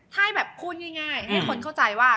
ถ้าให้แบบพูดง่ายให้คนเข้าใจว่า